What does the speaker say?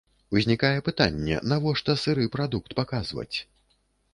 Узнікае пытанне, навошта сыры прадукт паказваць?